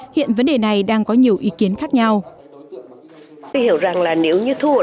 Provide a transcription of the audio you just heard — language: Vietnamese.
hiện vấn đề này đang có nhiều ý kiến khác nhau